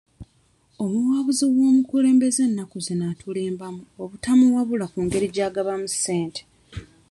Omuwabuzi w'omukulembeze ennaku zino atulimbamu obutamuwabula ku ngeri gy'agabamu ssente.